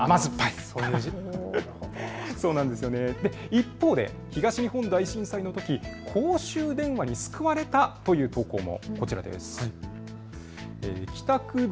一方で東日本大震災のとき公衆電話に救われたという投稿も。